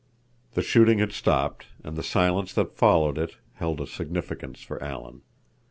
The shooting had stopped, and the silence that followed it held a significance for Alan.